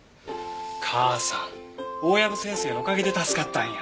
母さん大藪先生のおかげで助かったんや。